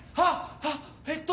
あっえっと